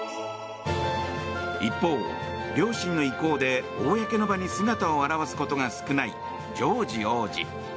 一方、両親の意向で公の場に姿を現すことが少ないジョージ王子。